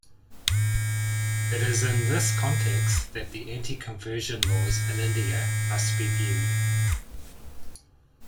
It is in this context that the anti-conversion laws in India must be viewed.